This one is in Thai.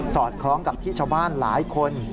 อดคล้องกับที่ชาวบ้านหลายคน